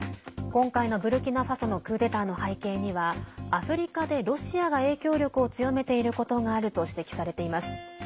今回のブルキナファソのクーデターの背景にはアフリカでロシアが影響力を強めていることがあると指摘されています。